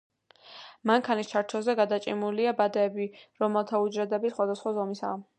მანქანის ჩარჩოზე გადაჭიმულია ბადეები, რომელთა უჯრედები სხვადასხვა ზომისაა.